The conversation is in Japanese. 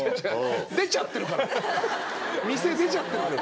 店出ちゃってる。